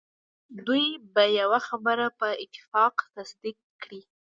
دوی به یوه خبره په اتفاق تصدیق کړي.